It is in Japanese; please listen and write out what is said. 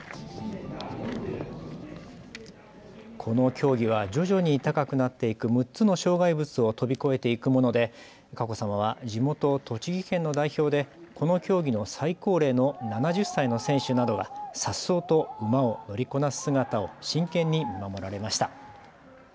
この競技は徐々に高くなっていく６つの障害物を飛び越えていくもので佳子さまは地元栃木県の代表でこの競技の最高齢の７０歳の選手などがさっそうと馬を乗りこなす姿を真剣に見守られました。